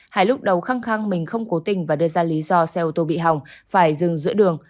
hai lúc đầu khăng khăng mình không cố tình và đưa ra lý do xe ô tô bị hỏng phải dừng giữa đường